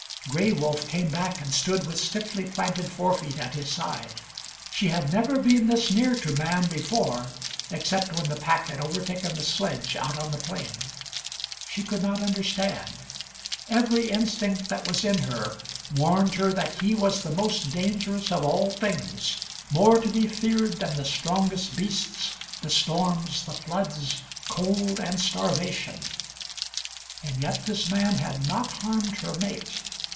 Gray Wolf came back, and stood with stiffly planted forefeet at his side. She had never been this near to man before, except when the pack had overtaken the sledge out on the plain. She could not understand. Every instinct that was in her warned her that he was the most dangerous of all things, more to be feared than the strongest beasts, the storms, the floods, cold and starvation. And yet this man had not harmed her mate.